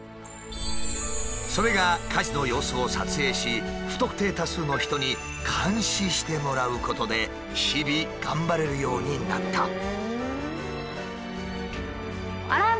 それが家事の様子を撮影し不特定多数の人に監視してもらうことで日々頑張れるようになった。